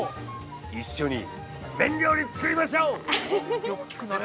一緒に麺料理、作りましょう。